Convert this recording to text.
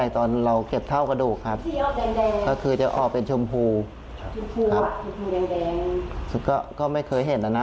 ตอนเราเก็บเทากระดูกคือจะออกเป็นชมพูก็ไม่เคยเห็น